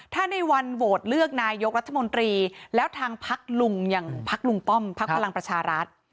ถ้าในวันโหวตเลือกนายกรัฐมนตรีแล้วทางพักลุงอย่างพักลุงป้อมพักพลังประชารัฐ